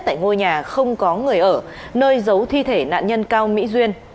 tại ngôi nhà không có người ở nơi giấu thi thể nạn nhân cao mỹ duyên